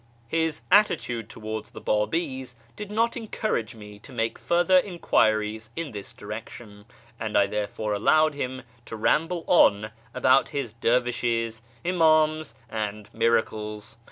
His attitude towards the Babis did not encourage me to make further enquiries in this direction, and I therefore allowed him to ramble on about his dervishes, inicams, and miracles.